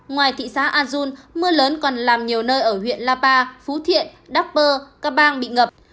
ngoài thị xã azul mưa lớn còn làm nhiều nơi ở huyện lapa phú thiện đắk bơ các bang bị ngập